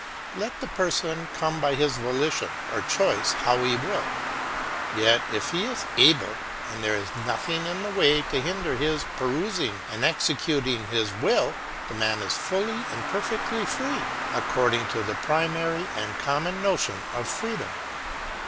Let the person come by his volition or choice how he will, yet, if he is able, and there is nothing in the way to hinder his pursuing and executing his will, the man is fully and perfectly free, according to the pri mary and common notion of freedom.